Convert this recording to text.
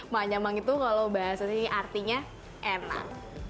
manyamang itu kalau bahasa ini artinya enak